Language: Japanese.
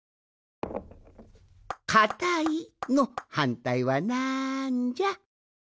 「かたい」のはんたいはなんじゃ？